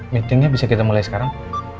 meetingnya bisa kita mulai sekarang